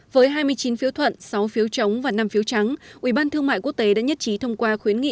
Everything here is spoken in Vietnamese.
với hai mươi chín phiếu thuận sáu phiếu chống và năm phiếu trắng ủy ban thương mại quốc tế đã nhất trí thông qua khuyến nghị